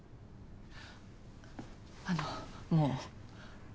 あのもう。